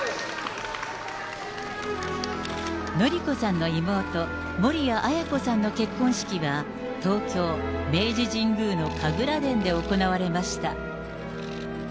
典子さんの妹、守谷絢子さんの結婚式は、東京・明治神宮の神楽殿で行われました。